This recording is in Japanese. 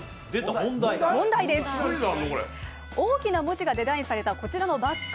大きな文字がデザインされたこちらのバッグ。